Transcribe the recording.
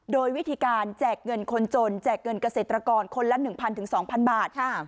โดยวิธีการแจกเงินคนจนแจกเงินเกษตรกรคนละ๑๐๐๒๐๐บาท